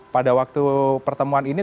pada waktu pertemuan ini